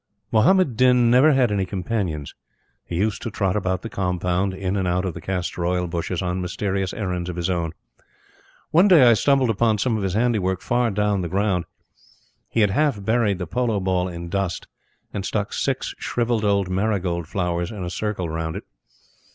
Muhammad Din never had any companions. He used to trot about the compound, in and out of the castor oil bushes, on mysterious errands of his own. One day I stumbled upon some of his handiwork far down the ground. He had half buried the polo ball in dust, and stuck six shrivelled old marigold flowers in a circle round it.